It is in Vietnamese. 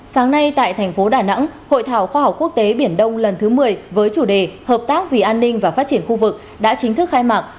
sáng nay tại thành phố đà nẵng hội thảo khoa học quốc tế biển đông lần thứ một mươi với chủ đề hợp tác vì an ninh và phát triển khu vực đã chính thức khai mạc